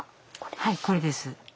はいこれです。